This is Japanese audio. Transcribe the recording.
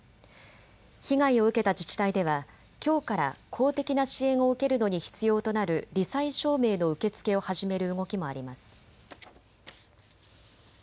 被害を受けた自治体ではきょうから公的な支援を受けるのに必要となるり災証明の受け付けを始める動きもあります。